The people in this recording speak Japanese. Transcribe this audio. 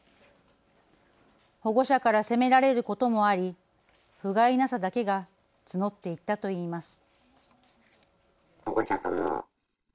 保護者から責められることもありふがいなさだけが募っていったといいます。